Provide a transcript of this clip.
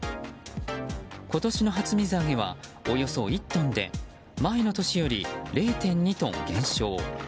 今年の初水揚げはおよそ１トンで、前の年より０．２トン減少。